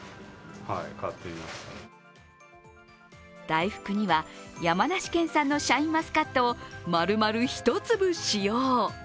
大福には、山梨県産のシャインマスカットを丸々１粒使用。